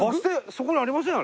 そこにありません？